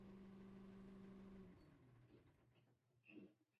eneo la hifadhi ya taifa ya serengeti ni nyumba ya wanyamapori